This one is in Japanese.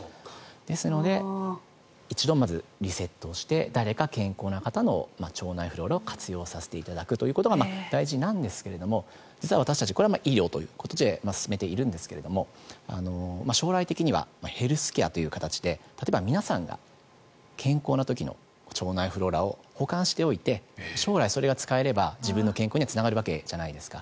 ですので一度まずリセットをして誰か、健康な方の腸内フローラを活用させていただくということが大事なんですけれども実は私たちこれは医療ということで進めているんですが将来的にはヘルスケアという形で例えば皆さんが健康な時の腸内フローラを保管しておいて将来、それが使えれば自分の健康につながるわけじゃないですか。